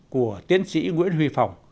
của tiến sĩ nguyễn huy phòng